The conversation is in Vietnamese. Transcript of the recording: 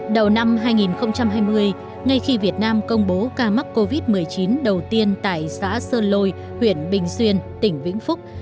đầu năm hai nghìn hai mươi ngay khi việt nam công bố ca mắc covid một mươi chín đầu tiên tại xã sơn lôi huyện bình xuyên tỉnh vĩnh phúc